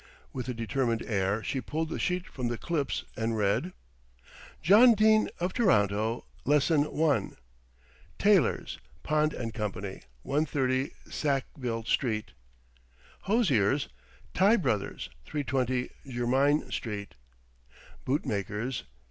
With a determined air she pulled the sheet from the clips and read: "JOHN DENE OF TORONTO. Lesson 1. Tailors ... Pond and Co., 130 Sackville Street. Hosiers ... Tye Brothers, 320 Jermyn Street. Bootmakers